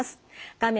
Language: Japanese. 画面